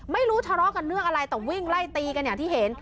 ไม่รู้ทะเลาะกันเรื่องอะไรแต่วิ่งไล่ตีกันอย่างที่เห็น